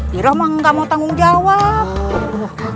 jirah mah gak mau tanggung jawab